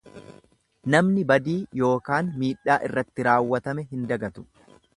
Namni badii ykn miidhaa irratti raawwatame hin dagatu.